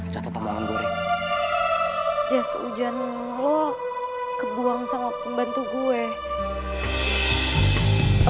catatan banget goreng jas ujian lu kebuang sama pembantu gue